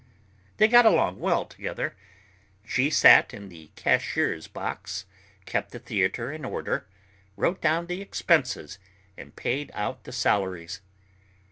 They got along well together. She sat in the cashier's box, kept the theatre in order, wrote down the expenses, and paid out the salaries.